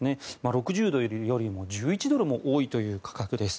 ６０ドルよりも１１ドルも高いという価格です。